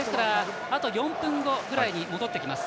４分後ぐらいに戻ってきます。